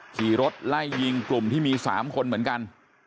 ขี่รถไล่ยิงกลุ่มที่มี๓คนเหมือนกัน